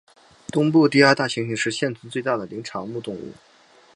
东部低地大猩猩是现存最大的灵长目动物。